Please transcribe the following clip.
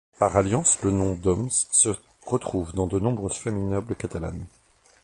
Par alliance, le nom d'Oms se retrouve dans de nombreuses familles nobles catalanes.